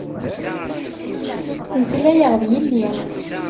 Meslayeɣ d yelli.